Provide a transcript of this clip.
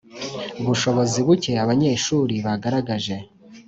bushobozi buke abanyeshuri bagaragaje.